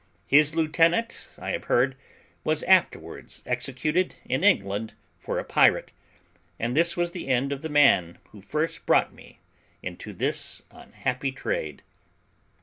His lieutenant, I have heard, was afterwards executed in England for a pirate; and this was the end of the man who first brought me into this unhappy trade.